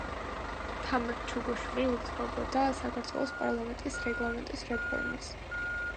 თამარ ჩუგოშვილი უძღვებოდა საქართველოს პარლამენტის რეგლამენტის რეფორმას.